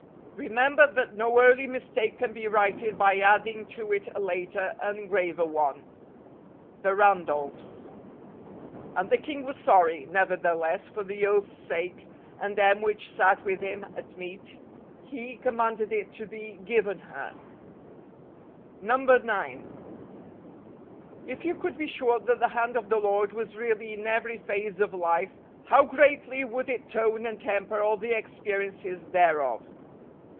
Remember that no early mistake can be righted by adding to it a later and a graver one. The Randolphs. " And the king was sorry: nevertheless, for the oath's sake, and them which sat with him at meat, he commanded it to he given her" 138 DECEMBER. 9. If you could be sure that the hand of the Lord was really iu every phase of life, how greatly would it tone and temper all the experiences thereof